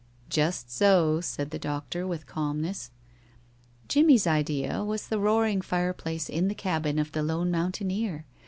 "Just so," said the doctor, with calmness. Jimmie's idea was the roaring fireplace in the cabin of the lone mountaineer.